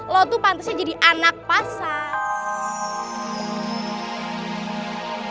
lo tuh pantasnya jadi anak pasar